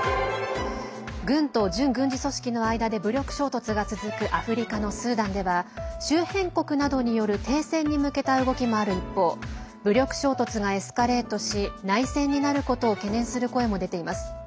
軍と準軍事組織の間で武力衝突が続くアフリカのスーダンでは周辺国などによる停戦に向けた動きもある一方武力衝突がエスカレートし内戦になることを懸念する声も出ています。